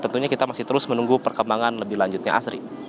tentunya kita masih terus menunggu perkembangan lebih lanjutnya asri